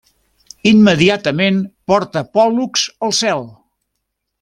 Immediatament porta Pòl·lux al cel.